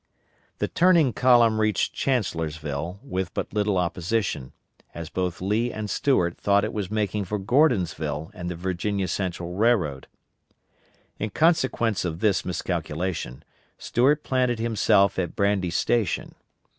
The turning column reached Chancellorsville with but little opposition, as both Lee and Stuart thought it was making for Gordonsville and the Virginia Central Railroad. In consequence of this miscalculation, Stuart planted himself at Brandy Station.